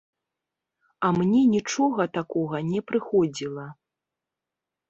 А мне нічога такога не прыходзіла.